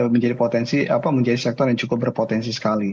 menjadi potensi apa menjadi sektor yang cukup berpotensi sekali